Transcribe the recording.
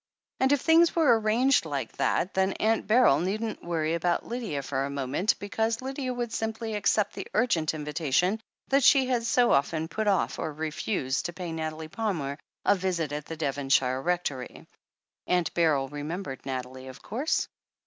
And if things were arranged like that, then Aunt Beryl needn't worry about Lydia for a moment, because Lydia would simply accept the urgent invitation that she had so often put off or refused, to pay Nathalie Palmer a visit at the Devonshire Rectory. Aunt Beryl remembered Nathalie, of course?